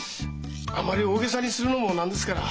あまり大げさにするのもなんですから。